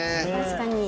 確かに。